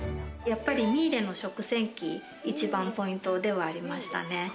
やっぱりミーレの食洗機、一番ポイントではありましたね。